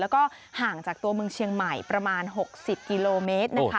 แล้วก็ห่างจากตัวเมืองเชียงใหม่ประมาณ๖๐กิโลเมตรนะคะ